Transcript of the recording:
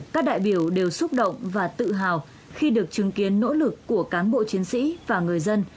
các đại biểu đều xúc động và tự hào khi được chứng kiến nỗ lực của cán bộ chiến sĩ và người dân